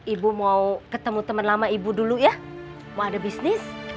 ibu mau ketemu teman lama ibu dulu ya mau ada bisnis